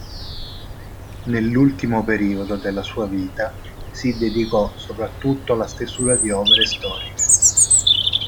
Nell'ultimo periodo della sua vita si dedicò soprattutto alla stesura di opere storiche.